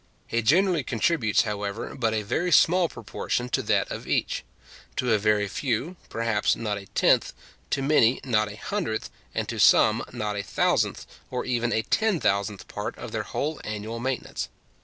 He generally contributes, however, but a very small proportion to that of each; to a very few, perhaps, not a tenth, to many not a hundredth, and to some not a thousandth, or even a ten thousandth part of their whole annual maintenance.